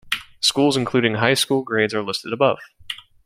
Schools including high school grades are listed above.